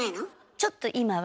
ちょっと今は。